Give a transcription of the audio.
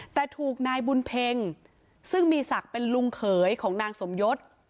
แต่ถูกนายบุญเพ็งซึ่งมีศักดิ์เป็นลุงเขยของนางสมยศ